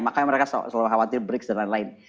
makanya mereka selalu khawatir bricks dan lain lain